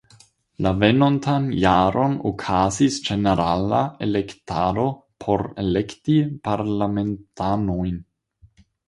La venontan jaron okazis ĝenerala elektado por elekti parlamentanojn.